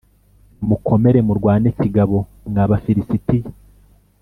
nimukomere murwane kigabo mwa bafilisitiya